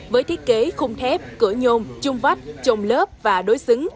với thiết kế khung thép cửa nhôn chung vách trồng lớp và đối xứng